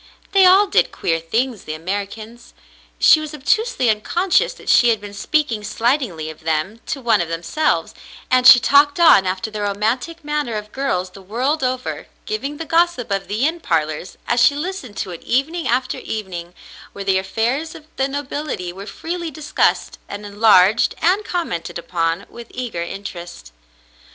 They all did queer things — the Americans. She was obtusely unconscious that she had been speaking slightingly of them to one of themselves, and she talked on after the romantic manner of girls the world over, giving the gossip of the inn parlors as she listened to it evening after evening, where the affairs of the nobility were freely discussed and enlarged and commented upon with eager interest.